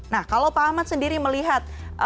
nah kalau pak ahmad sendiri melihat